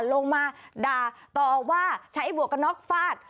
ลงมาด่าต่อว่าใช้หมวกกระน็อกฟาด